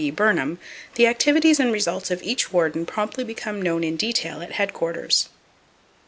Burnham) the activities and results of each warden promptly become known in detail at headquarters.